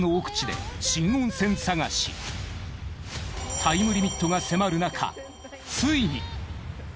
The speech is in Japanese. タイムリミットが迫るなかついに。